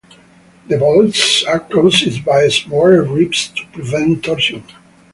The vaults are crossed by smaller ribs to prevent torsion.